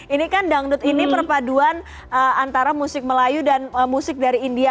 ini kan dangdut ini perpaduan antara musik melayu dan musik dari india